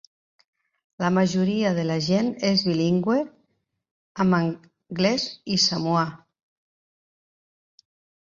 La majoria de la gent és bilingüe en anglès i samoà.